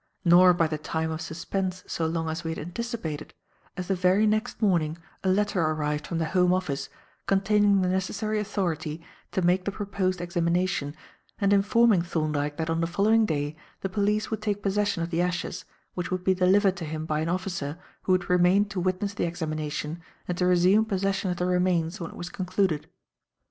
Nor by the time of suspense so long as we had anticipated, as the very next morning a letter arrived from the Home Office containing the necessary authority to make the proposed examination and informing Thorndyke that on the following day the police would take possession of the ashes, which would be delivered to him by an officer who would remain to witness the examination and to resume possession of the remains when it was concluded.